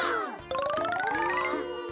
うん。